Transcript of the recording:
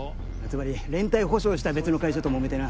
つまり連帯保証した別の会社ともめてな。